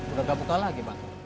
udah gak buka lagi bang